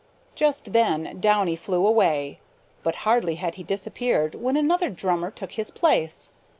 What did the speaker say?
Just then Downy flew away, but hardly had he disappeared when another drummer took his place.